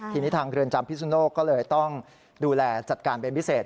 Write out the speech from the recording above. ทีนี้ทางเรือนจำพิสุนโลกก็เลยต้องดูแลจัดการเป็นพิเศษ